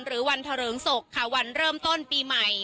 หรือวันเถลิงศกค่ะวันเริ่มต้นปีใหม่